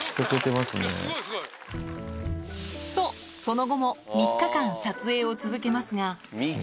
すごい、すごい。と、その後も３日間撮影を続けますが。